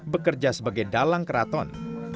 bekerja sebagai dalang kraton